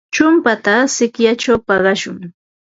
Chumpata sikyachaw paqashun.